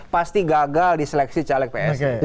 pasti gagal diseleksi caleg psi